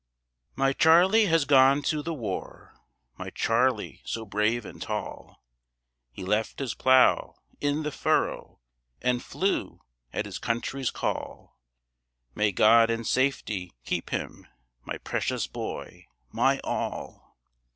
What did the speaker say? My Charlie has gone to the war, My Charlie so brave and tall; He left his plough in the furrow, And flew at his country's call. May God in safety keep him, My precious boy my all!